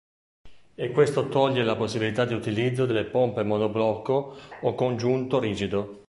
E questo toglie la possibilità di utilizzo delle pompe monoblocco o con giunto rigido.